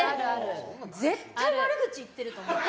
絶対に悪口言ってると思って。